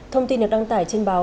thông tin được đăng tải trên báo